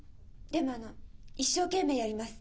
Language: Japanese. でもあの一生懸命やります。